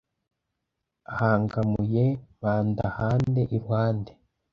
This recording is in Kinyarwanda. ahangamuye mpandahande i ruhande